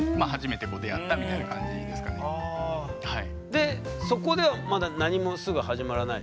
でそこではまだ何もすぐ始まらないでしょ？